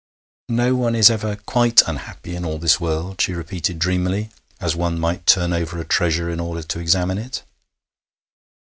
'No one is ever quite unhappy in all this world,' she repeated dreamily, as one might turn over a treasure in order to examine it.